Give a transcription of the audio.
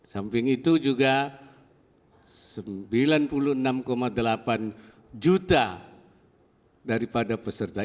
samping itu juga sembilan puluh enam delapan juta daripada peserta